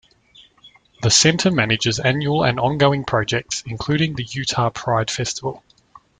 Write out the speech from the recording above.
The center manages annual and ongoing projects including the Utah Pride Festival.